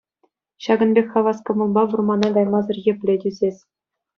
Ҫакӑн пек хавас кӑмӑлпа вӑрмана каймасӑр епле тӳсес!